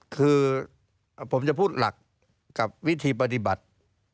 คือผมจะพูดหลักกับวิธีปฏิบัติ